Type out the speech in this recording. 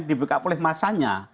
dibekap oleh masanya